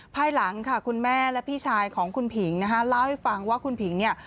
ภายหลังค่ะคุณแม่และพี่ชายของคุณผิงนะคะเล่าให้ฟังว่าคุณผิงเนี่ย